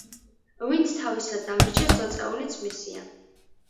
ვინც თავისად დამირჩეს ძოწეულიც მისია.